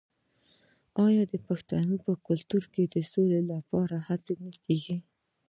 آیا د پښتنو په کلتور کې د سولې لپاره هڅې نه کیږي؟